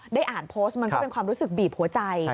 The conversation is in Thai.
ได้อ่านโพสต์มันก็เป็นความรู้สึกบีบหัวใจ